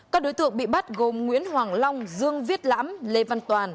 các đối tượng bị bắt gồm nguyễn hoàng long dương viết lãm lê văn toàn